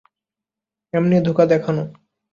এমনি, ধোঁকা দেখানো।